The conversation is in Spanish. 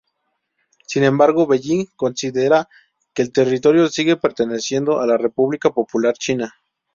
Sin embargo, Beijing considera que el territorio sigue perteneciendo a la República Popular China.